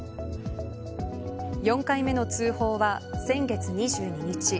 ４回目の通報は先月２２日。